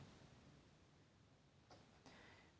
มากค่ะ